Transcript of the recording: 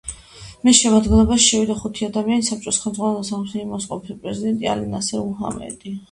მის შემადგენლობაში შევიდა ხუთი ადამიანი, საბჭოს ხელმძღვანელობდა სამხრეთ იემენის ყოფილი პრეზიდენტი ალი ნასერ მუჰამედი.